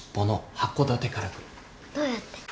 どうやって？